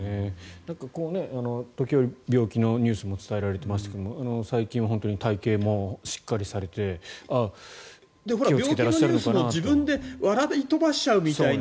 時折、病気のニュースも伝えられていましたが最近は本当に体形もしっかりされてあ、気をつけていらっしゃるのかなと。